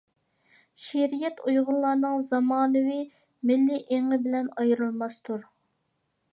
«شېئىرىيەت» ئۇيغۇرلارنىڭ زامانىۋى مىللىي ئېڭى بىلەن ئايرىلماستۇر.